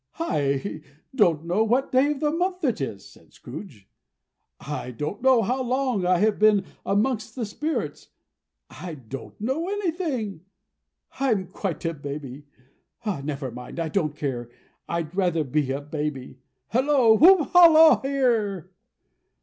"I don't know what day of the month it is," said Scrooge. "I don't know how long I have been amongst the Spirits. I don't know anything. I'm quite a baby. Never mind. I don't care. I'd rather be a baby. Hallo! Whoop! Hallo here!"